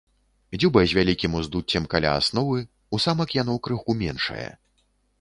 Дзюба з вялікім уздуццем каля асновы, у самак яно крыху меншае.